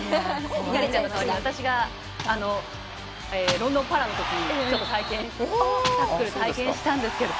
猪狩ちゃんの代わりに私がロンドンパラのときにタックル体験したんですけど。